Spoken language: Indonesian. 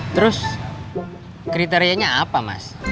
terus kriterianya apa mas